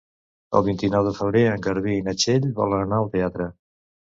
El vint-i-nou de febrer en Garbí i na Txell volen anar al teatre.